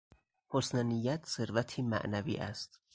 حسن نیت ثروتی معنوی است.